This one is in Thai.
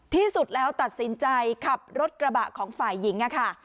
ที่สุดแล้วตัดสินใจขับรถกระบะของฝ่ายหญิงค่ะ